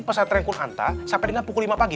pesantren kunhanta sampai dengan pukul lima pagi